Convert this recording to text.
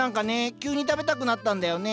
急に食べたくなったんだよね。